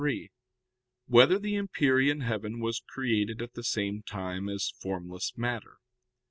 3] Whether the Empyrean Heaven Was Created at the Same Time As Formless Matter?